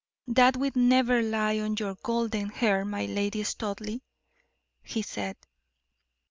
"That will never lie on your golden hair, my Lady Studleigh," he said.